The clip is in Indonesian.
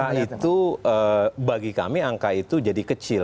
nah itu bagi kami angka itu jadi kecil